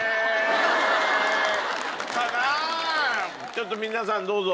ちょっと皆さんどうぞ。